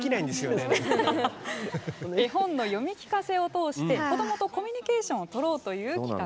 絵本の読み聞かせを通して子どもとコミュニケーションをとろうという企画。